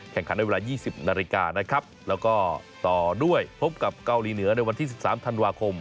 แข่งขันไว้๒๐นาฬิกานะครับและก็ต่อด้วยสามารถพบกับเกาหลีเหนือแต่วัน๑๓ธันวาคม